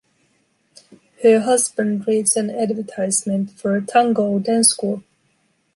Her husband reads an advertisement for a tango dance school.